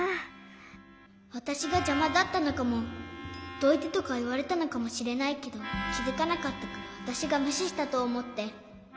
わたしがじゃまだったのかも「どいて」とかいわれたのかもしれないけどきづかなかったからわたしがむししたとおもって。